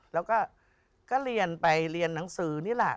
แล้วก็เรียนไปเรียนหนังสือนี่แหละ